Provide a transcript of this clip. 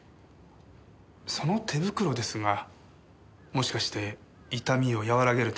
その手袋ですがもしかして痛みを和らげるためですか？